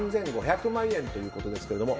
３５００万円ということですけれども。